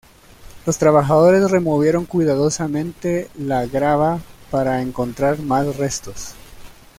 Los trabajadores removieron cuidadosamente la grava para encontrar más restos.